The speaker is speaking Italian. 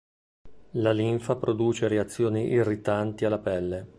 La linfa produce reazioni irritanti alla pelle.